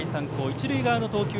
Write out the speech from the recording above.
一塁側の投球